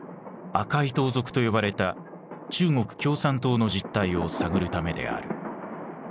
赤い盗賊と呼ばれた中国共産党の実態を探るためである。